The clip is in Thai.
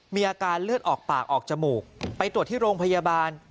มีอาการเลือดออกปากออกจมูกไปตรวจที่โรงพยาบาล